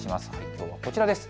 きょうはこちらです。